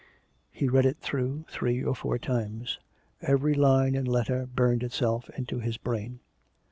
He read it through three or four times; every line and letter burned itself into his brain.